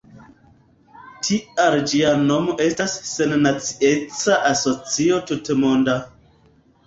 Tial ĝia nomo estas Sennacieca Asocio Tutmonda.